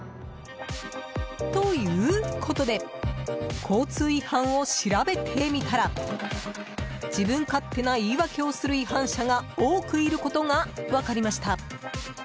ということで交通違反を調べてみたら自分勝手な言い訳をする違反者が多くいることが分かりました。